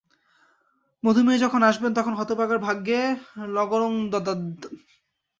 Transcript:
মধুময়ী যখন আসবেন তখন হতভাগার ভাগ্যে লগুড়ং দদ্যাৎ।